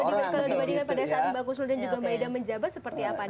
kalau dibandingkan pada saat mbak khusnul dan juga mbak ida menjabat seperti apa nih